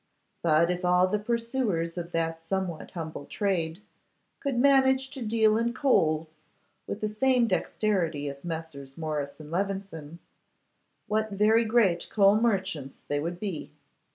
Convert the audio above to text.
But if all the pursuers of that somewhat humble trade could manage to deal in coals with the same dexterity as Messrs. Morris and Levison, what very great coal merchants they would be!